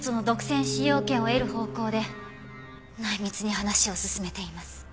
使用権を得る方向で内密に話を進めています。